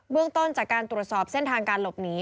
เรื่องต้นจากการตรวจสอบเส้นทางการหลบหนี